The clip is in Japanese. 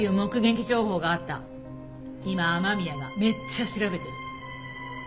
今雨宮がめっちゃ調べてる。